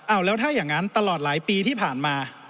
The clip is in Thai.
เอาแล้วถ้าอย่างนั้นตลอดหลายปีที่ผ่านมา